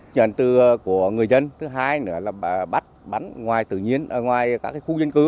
chuyển từ của người dân thứ hai nữa là bắt bắn ngoài tự nhiên ngoài các khu dân cư